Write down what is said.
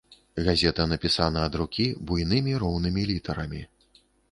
Газета напісана ад рукі буйнымі роўнымі літарамі.